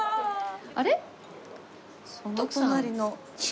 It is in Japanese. あれ？